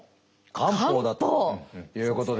漢方だということで。